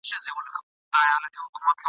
زه به مي ولي لا توبه پر شونډو ګرځومه !.